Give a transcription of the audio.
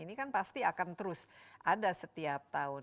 ini kan pasti akan terus ada setiap tahun